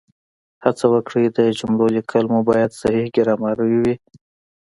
هڅه وکړئ د جملو لیکل مو باید صحیح ګرامري وي